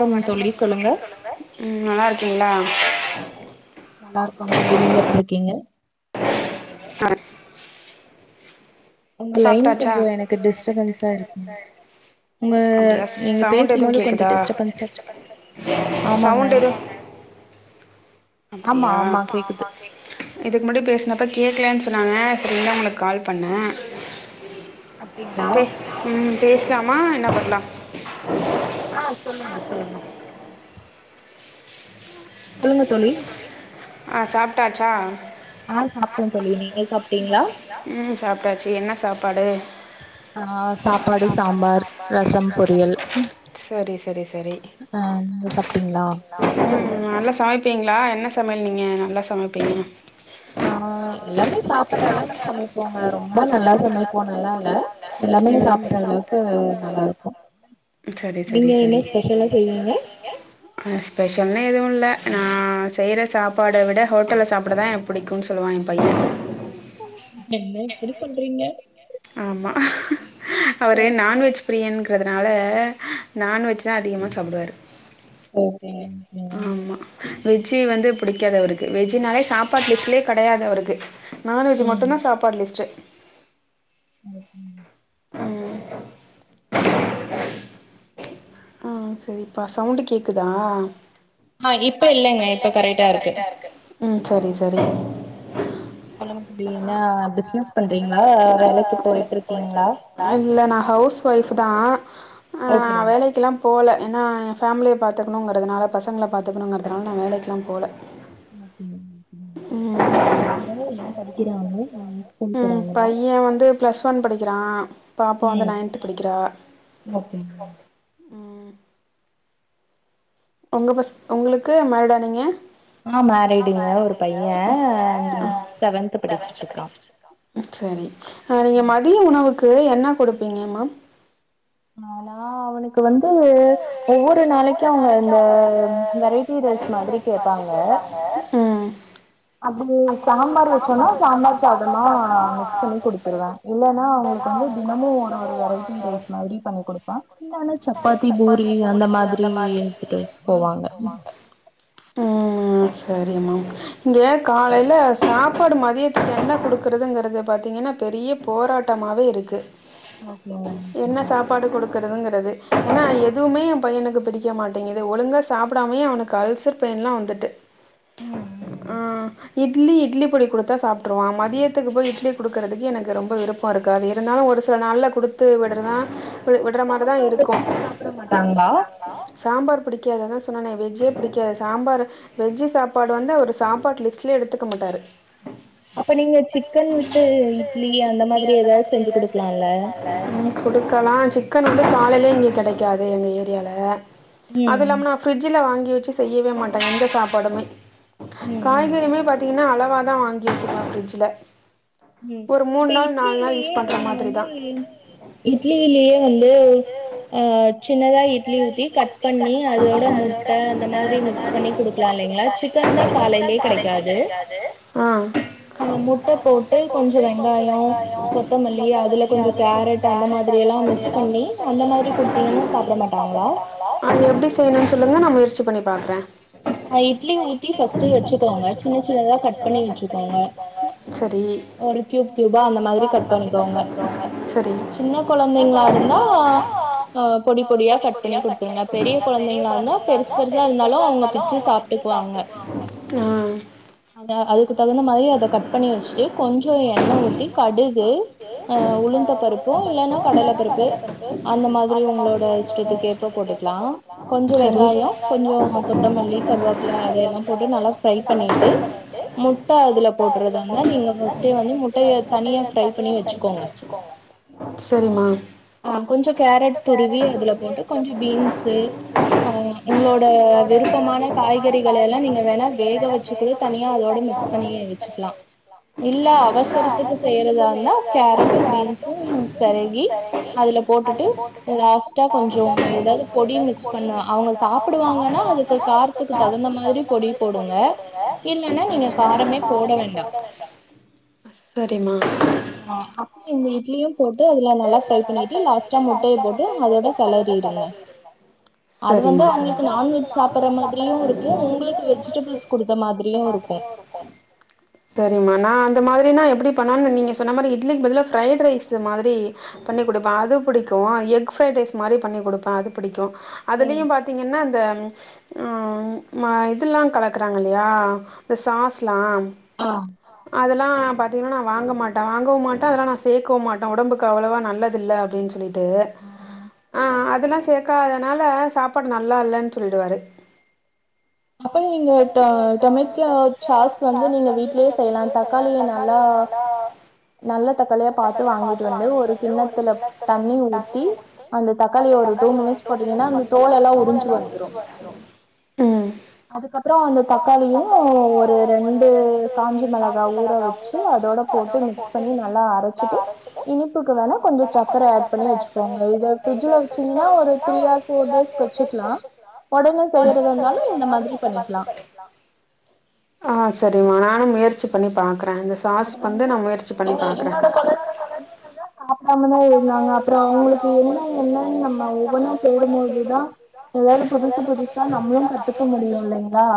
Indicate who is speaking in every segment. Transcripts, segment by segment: Speaker 1: ஆ வணக்கம் தோழி சொல்லுங்க ம் நல்லா இருக் னா
Speaker 2: நல்லா இருக்கோ தோழி நீங்க எப்டி இருக்கீங்க
Speaker 1: ஆ
Speaker 2: உங்க லைன் கொஞ்ச எனக்கு டிஸ்டபன்ஸா இருக்கு உங்க நீங்க பேசும்போது கொஞ்ச டிஸ்டபன்ஸா இரு ஆமாங்க
Speaker 1: அப்டியா இதுக்கு முன்னாடி பேசுனப்ப கேக்கலன் சொன்னாங்க சரி தா உங்களுக்கு கால் பண்ணே பெ ம் பேசலாமா என்ன பண்லா
Speaker 2: சொல்லுங்க தோழி
Speaker 1: ஆ சாப்ட்டாச்சா
Speaker 2: ஆ சாப்ட்டே தோழி நீங்க சாப்ட்டீங்களா ஆ சாப்பாடு சாம்பார் ரசம் பொரியல் அ நீங்க சாப்ட்டீங்களா
Speaker 1: சமப்பீங்ளா என்ன சாப் சமைல் நீங்க நல்லா சமைப்பீங்க
Speaker 2: அ எல்லாமே சாப்புற்ற அளவுக்கு சமைப்போங்க ரொம்ப நல்லா சமைப்போன் னு எல்லா இல்ல எல்லாமே சாப்புட்ற அளவுக்கு நல்லா இருக்கு நீங்க என்ன ஸ்பெஷலா செய்வீங்க
Speaker 1: ஸ்பெஷல்னே எதுவும் இல்ல நா செய்ற சாப்பாட விட ஹோட்டல்ல சாப்பிடதா பிடிக்கும்ன்னனு சொல்லுவா எ பைய ஆமா அவரே நான்வெஜ் பிரியன் கிறதுனால நான்வெஜ் தா அதிகமா சாப்பிடுவாரு ஆமா வெஜ்ஜி வந்து பிடிக்காது அவருக்கு வெஜ்ஜினாலே சாப்பாடு லிஸ்ட்லயே கிடையாது அவருக்கு நான்வெஜ் மட்டும்தா சாப்பாடு லிஸ்டு ஆ சரிப்பா சவுண்டு கேட்குதா
Speaker 2: ஆ இப்ப இல்லங்க இப்ப கரெக்டா இருக்கு
Speaker 1: ம் சரி சரி
Speaker 2: ரியன்னா பிசினஸ் பண்றீங்களா வேலைக்கு போயிட்டு இருக்கீங்களா
Speaker 1: ஆ வேலைக்கெல்லா ஏன்னா எ ஃபேமிலிய பாத்துக்கணுங்கிறதுனால பசங்கள பார்த்துணுங்கிறதுனால நா வேலைக்கலா போல
Speaker 2: ஓகேங்க ஓகேங்க அ பசங்க என்ன படி கிராமு ம்
Speaker 1: எம் பைய வந்து பிளஸ் ஒன் படிக்கிறா பாப்பா வந்து நைன்த் படிக்கிறா உங்க பசங் உங்களுக்கு மேரிடா நீங்க
Speaker 2: ஆ மேரிடுங்க ஒரு பைய செவன்த் படிச்சுட்ருக்கா
Speaker 1: சரி நீங்க மதிய உணவுக் கு என்ன கொடுப்பிங்கமா
Speaker 2: நாலவா அவுளுக் கு வந்து ஒவ்வொரு நாளைக்கு அவங்க அந்த வெரைட்டி ரைஸ் மாதிரி கேப்பாங்க அப்படி சாம்பார் வெச்சோனா சாம்பார் சாதமா மிக்ஸ் பண்ணி குடுத்துருவ இல்லன்னா அவங்களுக்கு வந்து தினமு ஒரு ஒரு வெரைட்டி ரைஸ் மாதிரி பண்ணி குடுப்ப இன்னோனு சப் பாத்தி பூரி அந்த மாதிரி எடுத்துட்டு போவாங்க
Speaker 1: ம் சரிமா இங்க காலையில சாப்பாடு மதியத்துக்கு என்ன குடுக்கிறதுங்கறது பாத்திங்கனா பெரிய போராட்டமாவே இருக்கு
Speaker 2: ஓகேங்க தோழி
Speaker 1: க்கறதுங்கிறது ஏனா எதுவுமே எம் பையனுக்கு பிடிக் க மாட்டேங்குது ஒழுங்கா சாப்படாமயே அவனுக்கு அல்சர் பெயின்லா வந்துட்டு
Speaker 2: ம் ம் ம்
Speaker 1: இட்லி இட்லி பொடி குடுத்தா சாப்ட்ருவா மதியத்துக்கு போய் இட்லி குடுக்குறதுக்கு எனக்கு ரொம்ப விருப்பம் இருக்காது இருந்தாலு ஒரு சில நாள்ல குடுத்து விட்ற வி விடுற மாரி தா இருக்
Speaker 2: வெச்சி சாப்ட மாட்டாங்ளா
Speaker 1: சாம்பார் பிடிக்காது அதா சொன்னனே வெஜ்ஜே பிடிக்காது சாம்பார் வெஜ்ஜி சாப்பாடு வந்து அவரு சாப்பாடு லிஸ்ட்லே எடுத்துக்க மாட்டாரு
Speaker 2: அப்ப நீங்க சிக்கன் வித்து இட்லி அந்த மாதிரி ஏதாவது செஞ்சி குடுக்கலா இல்ல
Speaker 1: சிக்கன் வந்து காலலே இங்க கெடைக்காது எங்க ஏரியால அதும் இல்லாம நா ஃபிரிட்ஜில வாங்கி கி வச்சி செய்யவே மாட்டாங்க எந்த சாப்பாடுமே காய்கறிமே பாத்தீங்ன்னா அளவ் வாதா வாங்கி வச்சிருப்ப பிரிட்ஜ்ல
Speaker 2: ம் இப்ப இட்லிலயே நீங்க வந்து இட்லியிலயே வந்து அ சின்னதா இட்லி ஊத்தி கட் பண்ணி அதோட முட்ட அந்த மாரி மிக்ஸ் பண்ணி குடுக்கலா இல்லைங்களா சிக்கன் தா காலையிலயே கடைக்காது
Speaker 1: ஆ
Speaker 2: ஆ முட்ட போட்டு கொஞ்சம் வெங்காயோ கொத்தமல்லி அதுல கொஞ்சம் கேரட் அந்த மாதிரி எல்லா மிக்ஸ் பண்ணி அந்த
Speaker 1: அந்த மாரி செஞ்சிகன்னா சாப்ட மாட்டங்களா பண்ணி பாக்குற
Speaker 2: அ இட்லி ஊத்தி ஃபஸ்ட்டு வச்சுக்கோங்க சின்ன சின்னதா கட் பண்ணி வச்சக்கோங்க ஒரு கியூப் கியூபா அந்த மாதிரி கட் பண்ணிக்கோங்க சின்ன கொழந்தைங்களா இருந்தா தா அ பொடி பொடியா கட் பண்ணி கொடுத்துருங்க பெரிய கொழந்தைங்களா இருந்த பெருசு பெருசா இருந்தாலு அவங்க பி வச்சு சாப்ட்டுக்குவாங்க அந்த அதுக்கு தகுந்த மாதிரி அத கட் பண்ணி வச்சுட்டு கொஞ்சம் எண்ண ஊத்தி கடுகு அ உளுந்த பருப்பு இல்லன்னா கடல பருப்பு அந்த மாதிரி உங்களோட இஷ்டத்துக்குகேப்ப போட்டுக்கலாம் கொஞ்சம் வெங்காயம் கொஞ்சம் கொத்தமல்லி கருவோப்பில அத எல்லா போட்டு நல்லா பண்ணட்டு முட்டை அதுல போட்டுறந்த முட்டைய தனியா பண்ணி வச்சுக்கோங்க கொஞ்சம் கேரட் துருவி அதுல போட்டு கொஞ்சம் பீன்ஸ் உங்களோட விருப் சுத்தமான காய்கறிகள எல்லாம் நீங்க வேணா வேக வச்சு கூட தனியா அதோட மிக்ஸ் பண்ணி வச்சுக்கலாம் இல்ல அவசரத்துக்கு செய்யறதா இருந்தா கேரட்டும் பீன்ஸ்ம் செருகி அதுல போட்டு ட்டுட்டு லாஷ்ட்டா கொஞ்சோம் எதாது பொடி மிக்ஸ் பண்ணுவே அவுங்க சாப்புடுவாங்கனா காரத்துக்கு தகுந்த மாரி பொடி போடுங்க இல்லென்னா நீங்க காரமே போட வேண்டா வீட்லியே போட்டு அதுல நல்லா ஃப்ரை பண்ணிட்டு லாஸ்ட்டா முட்டைய போட்டு அதோட கெலரிருங்க அது வந்து அவுங்களுக்கு நாண்வெஜ் சாப்பட்ற மாதிரியு இருக்கு ஒங்ளுக்கு வெஜிடபிள்ஸ் குடுத்த மாதிரியு இருக்கு
Speaker 1: இந்த மாதிரினா எப்டி பண்ணனு நீங்க சொன்ன மாரி இட்லிக்கு பதிலா ஃப்ரைட் ரைஸு மாதிரி பண்ணி கொடுப்ப அது புடிக்கு எக் பிரைட் ரைஸ் மாதிரி பண்ணி கொடுப்ப அது புடிக்கு அதுலயும் பாத்தீங்கன்னா இந்த ஆ இதெல்லாம் கலக்கறாங்க இல்லயா இந்த சாஸ்லாம் அதெல்லா பாத்தீங்கன்னா நா வாங்க மாட்ட வாங்கவும் மாட்ட அதெல்லா நா சேர்க்கவும் மாட்ட உடம்புக்கு அவ்வளவா நல்லதில்ல அப்படின்னு சொல்லி ட்டு அதெல்லா சேர்க்காதனால சாப்பாடு நல்லா இல்லன்னு சொல்லிடுவாரு
Speaker 2: அப்ப நீங்க டொமேட்டோ சாஸ் வந்து நீங்க வீடலயே செய்யலாம் தக்காளிய நல்லா நல்ல தக்காளியா பாத்து வாங்கிட்டு வந்து ஒரு கிண்ணத்துல தண்ணி ஊத்தி அந்த தக்காளிய ஒரு டூ மினிட்ஸ் போட்டீங்கனா அந்த தோல் எல்லாம் உறிஞ்சு வந்துடும் அதுக்கப்பறம் அந்த தக்காளியு ஒரு ரெண்டு காஞ்ச மிளகா ஊற வச்சு அதோட போட்டு மிக்ஸ் பண்ணி நல்லா அரைச்சிட்டு இனிப்புக்கு வேணா கொஞ்சம் சர்கக்கர ஆட் பண்ணி வச்சுக்கோங்க இத பிரிட்ஜ் வச்சீங்கன்னா ஒரு த்ரீ ஆர் போர் டேஸ்க வச்சுிக்கலாம் உடனே செய்யறது இருந்தாலும் இந்த மாதிரி பண்ணிக்கலா
Speaker 1: ஆ முயற்சி பண்ணி பா பாக்குற இந்த சாஸ் வந்து நா முயற்சி பண்ணி பா
Speaker 2: என்னோட குழந்தைகள் வந்து இப்படிதான் சாப்பிடாமதா இருந்தாங்க அப்புறம் அவங்களுக்கு என்ன என்னன்னு நம்ம ஒவ்வொன்னும் தேடும்போதுதா ஏதாவது புதுசு புதுசா நம்மளும் கத்துக்க முடியும் இல்லைங்களா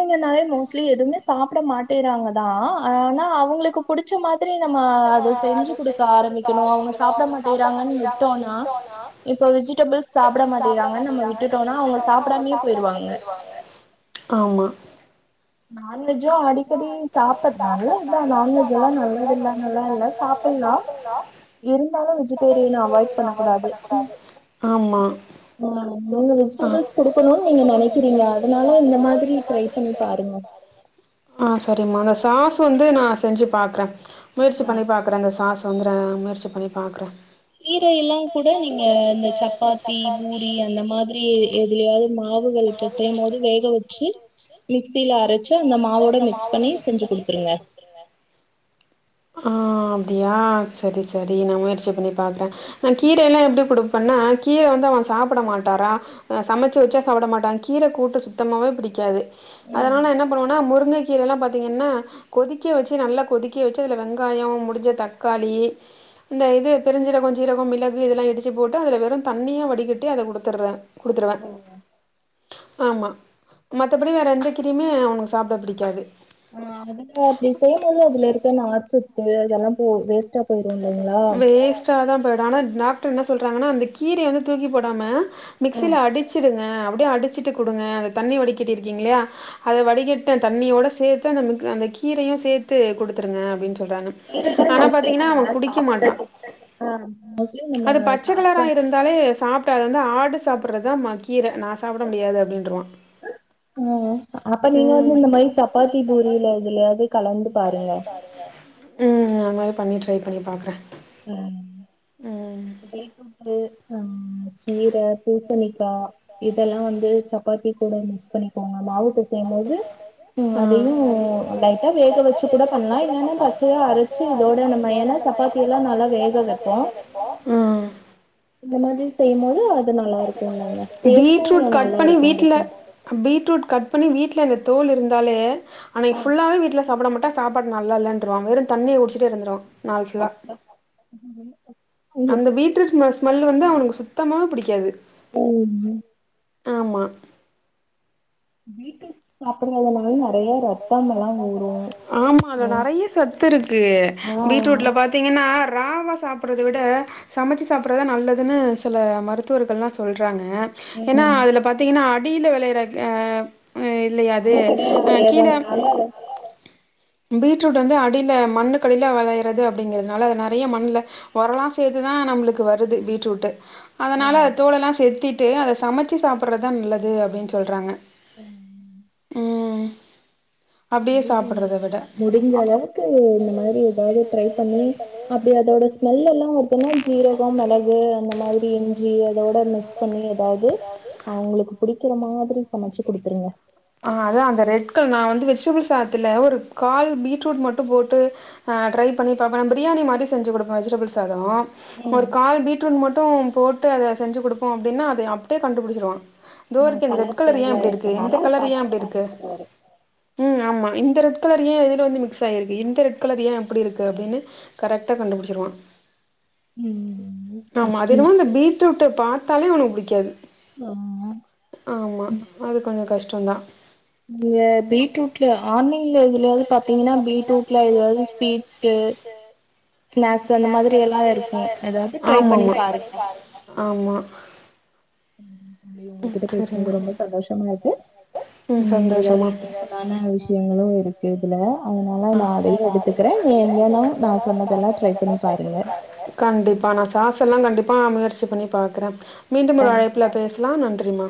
Speaker 2: குழந்தைகனாலே மோஸ்ஸி எதுவுமே சாப்ப த மாட்டேறாங்க தா ஆனா அவங்ளுக்கு புடிச்ச மாத் த்ரி நம்ம அத செஞ்சு குடுக்க ஆரமிக்கணு அவுங்க சாப்ட மாட்டேறாங்கன் விட்டோனா இப்ப விஜிடபிள்ஸ் சாப்புட மாட்டேறாங்கன்னு நம்ம விட்டுட்டோனா அவுங்க சாப்டாமே போயிருவாங்க நான்வெஜ்ஜும் அடிக்கடி சாப்டு நல்லதுான் நான்வெஜ்ஜ் எல்லாம் நல்லது இல்ல நல்லா இல்ல சாப்டலாம் இருந்தாலும் வெஜிடேரியன் அவாய்ட் பண்ண கூடாது ம் நீங்க விஜிடபிள்ஸ் குடுக்கணுன் நீங்க நெனக்கிறீங்க அதுனால இந்த மாதுரி ட்ரை பண்ணி
Speaker 1: அ சரிமா அந்த சாசஸ் வந்து நா செஞ்சி பாக்ற முயற்சி பண்ணி பாக்குற இந்த சாஸ் [unintelligible] முயற்சி பண்ணி பாக்குற
Speaker 2: கீரையெல்லா கூட நீங்க இந்த சப்பாத்தி பூரி அந்த மாதிரி எதுலயாவது மாவு வுகள் பெசையும்போது வேக வச்சு மிக்சில அரச்சு அந்த மாவோட மிக்ஸ் பண்ணி செஞ்சி குடுத்துருங்க
Speaker 1: ஆ அப்டியா சரி சரி நா முயற்சி பண்ணி பாக்ற நா கீரயல்லா எப்டி குடுப்ப பண்ணா கீரைவந்து அவன் சாப்டமாட்டாரா சமைச்சு வச்சா சாப்ட மாட்டா கீரை கூட்டு சுத்தமாவே பிடிக்காது அதனாலயென்ன பண்ணுவனா முருங்கக் கீரைல்லா பாத்தீங்கன்னா கொதிக்க வச்சி நல்லா கொதிக்க வச்சி அதுல வெங்காயம் முடிஞ்ச தக்காளி இந்த இது பெருஞ்ஜீரகம், ஜீரகம் மிளகு இதெல்லா இடிச்சி போட்டு அதுல வெறும் தண்ணியா வடிக்கட்டி அத குடுத்துட்றே குடுத்துருவே ஆமா மத்தப்படி வேற எந்த க்ரீமே அவனுக் சாப்ட பிடிக்காது
Speaker 2: ஆ அதுல அப்டி செய்யம்போது அதுல இருக்க நார் சத்து அதெல்லா போ வேஸ்
Speaker 1: வேஸ்ட்டாதா போய்டு ஆனா நாக் ட்ரு என்னா சொல்றாங்கன்னா அந்த கீரைய வந்து தூக்கிப் போடாம மிக்சில அடிச்சிடுங்க அப்டியே அடிச்சிட்டு குடுங்க அத தண்ணி வடிக்கிட்டிருக்கிங்லையா அத வடிக்கட்ன தண்ணியோட சேத்து அந்த [unintelligible] அந்த கீரையு சேத்து குடுத்துருங்க அப்டின் சொல்றாங்க ஆனா பாத்தீங்கன்னா அவ
Speaker 2: சாப்பர்றதே ஆ மோஸ்ட்லி நம்ம சாப்ப
Speaker 1: ட அத வந்து ஆடு சாப்புர்டறதா மா
Speaker 2: ம் அப்ப நீங்க வந்து இந்த மாரி சப்பாத்தி பூரியில எதுலையாது கலந்து பாருங்க
Speaker 1: பண்ணி ட்ரை பண்ணி பாக்ற
Speaker 2: உம் [unintelligible] ஆ கீர பூசணிக்கா இதெல்லா வந்து சப்பாத்தி கூட மிக்ஸ் பண்ணிக்கோங்க மாவு பெ சயம் போது அதையு லைட்டா வேக வெச்சிக் கூட பண்லா இல்லன்னா பச்சையா அரச்சி யிதோட நம்ம ஏன்னா சப்பாத் எல்லா நல்லா வேக வெப்போ இந்த மாதி செய்யம்போது அது நல்லாருக்குல்லங்க டேஸ்ட்டு நல்லாருக்கு டிஃப்ரெண்
Speaker 1: ரூட் கட் பண்ணி வீட்ல அந்த தோலிருந்தாலே அன்னக்கி ஃபுல்லாவே வீட்ல சாப்ட மா ட்டா சாப்பாடு நல்லா இல்லன்ருவா வெறு தண்ணிய குடிச்சுட்டே இருந்துருவா
Speaker 2: [unintelligible]
Speaker 1: அந்த பீட்ரூட் ம ஸ்மெல் வந்து அவனுக்கு சுத் தமா புடிக்காது
Speaker 2: [unintelligible]
Speaker 1: ஆமா
Speaker 2: பீட்ரூட் சாப்
Speaker 1: ஆமா அ அத்ல நறைய சத்துருக்கு பீட்ரூட்ல பாத்தீங்கன்னா ராவா சாப்புர்றத விட சமச்சி சாப்புர்றதுதா நல்லதுனு சில மருத்துவர்கள்லா சொல்றாங்க க ஏன்னா அதுல பாத்தீங்கன்னா அட் டியில வெளயற க ஆ இல்லையா அது
Speaker 2: [unintelligible] நல்லால்ல
Speaker 1: பீட்ரூட் வந்து அடியில மண்ணுக்கடியில வளையறது அப்டிங்கறதுனால அத நறைய மண்ல வளரலா செய்துனா நம்புளுக்கு வருது பீட்ரூட் அதனால அத தோலெல்லா செத்திட் ட்டு அதை சமைச்சு சாப்புறதுதா நல்லது அப்டின் சொல்றாங்க
Speaker 2: ம்
Speaker 1: அப்டியே சாப்புட்றத விட
Speaker 2: முடிஞ்ச அளவுக்கு இந்த மாரி ஏதாவது ட்ரை பண்ணி அப்டி அதோட ஸ்மெல் ல்லா பாத்தேன்னா சீரகம் மிளகு அந்த மாதிரி இஞ்சி அதோட மிக்ஸ் பண்ணி அதாவது அவங்களுக்கு புடிக்கிற மாதி ப்பிடி சமைச்சு குடுத்துருங்க
Speaker 1: அ அதா அந்த ரெட் கலர் நா வந்து வெஜிடபிள் சாதத்துல ஒரு கால் பீட்ரூட் மட்டும் போட்டு அ ட்ரை பண்ணி பாப்பே பிரியாணி மாரி செஞ்சு குடுப்பே வெஜிடபிள் சாதோ ஒரு கால் பீட் ட்டு மட்டு போட்டு அத செஞ்சு குடுபோ அப்டின்னா அத அப்டே கண்டுபுடிச்சிருவா தோ இருக்கே இந்த ரெட் கலர் ஏன் இப்டி இருக்கு எந்த கலர் ஏன் அப்டி இருக்கு ம் ஆமா இந் இந்த ரெட் கலர் ஏன் இல வந்து மிக்ஸ் ஆயிருக்கு இந்த ரெட் கலர் ஏன் இப்டி இருக்கு அப்டின்னு கரெக்டா கண்டுபிடிச்சிடுவான் ஆமா அது என்னமோ இந்த பீட்ரூட்ட பாத்து தாலே அவனுக்கு புடிக்காது ஆமா அது கொஞ்சோ கஷ்ட் சொன்னா
Speaker 2: ஆன்லைன்ல எதுலயாவது பாத்தீங்கன்னா பீட்ரூட்ல எதாவது ஸ்வீட்ஸு
Speaker 1: ஸ்நாக்ஸ் அந்த மாதிரி எல்லா இருக்கு ட்ரை பண்ணி பாருங்க
Speaker 2: ம் ம் உங்ககிட்ட பேசுனது ரொம்ப சந்தோஷமாருக்கு ம் எதாவது யூஸ்ஃபுல்லான விஷயங்களு இருக் க்குதுல
Speaker 1: அதனால நா அதையு எடுத்துக்குறே நீங்களு நா சொன்னதெல்லா ட்ரை பண்ணி பாருங்க ப்பா நா முயற்சி பண்ணி பாக்குறே மீண்டும் ஒரு அழைப்புல பேசலா நன்றிமா